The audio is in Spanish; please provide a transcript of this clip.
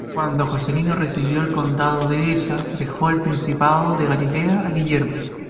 Cuando Joscelino recibió el Condado de Edesa, dejó el Principado de Galilea a Guillermo.